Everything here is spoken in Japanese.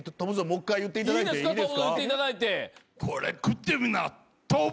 もう１回言っていただいていいですか？